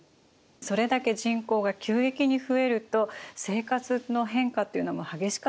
それだけ人口が急激に増えると生活の変化っていうのも激しかったでしょうね。